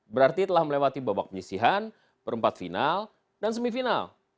berarti telah melewati babak penyisihan perempat final dan semifinal